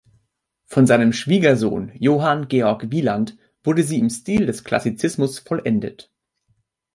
Von seinem Schwiegersohn Johann Georg Wieland wurde sie im Stil des Klassizismus vollendet.